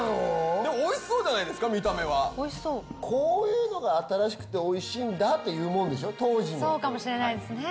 でもおいしそうじゃないですか見た目はおいしそうこういうのが新しくておいしいんだっていうもんでしょ当時のそうかもしれないですね